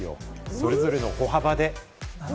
それぞれの歩幅で。